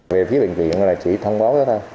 về phía bệnh viện là chỉ thông báo thôi